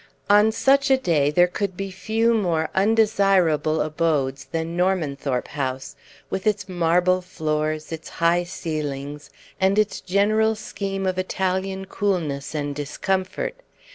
On such a day there could be few more undesirable abodes than Normanthorpe House, with its marble floors, its high ceilings, and its general scheme of Italian coolness and discomfort.